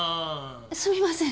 すみません！